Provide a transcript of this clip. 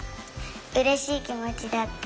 うれしいきもちだった。